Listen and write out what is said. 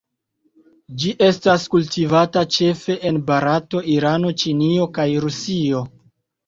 Ĝi estas kultivata ĉefe en Barato, Irano, Ĉinio, kaj Rusio.